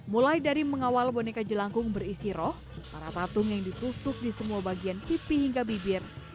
mulai dari mengawal boneka jelangkung berisi roh para patung yang ditusuk di semua bagian pipi hingga bibir